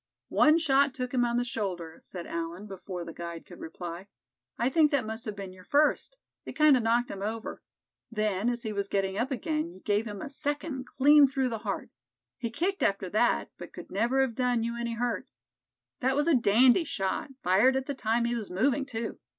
"One shot took him on the shoulder," said Allan, before the guide could reply. "I think that must have been your first. It kind of knocked him over. Then, as he was getting up again, you gave him a second clean through the heart. He kicked after that, but could never have done you any hurt. That was a dandy shot, fired at the time he was moving, too.